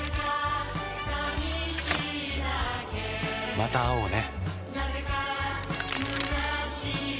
また会おうね。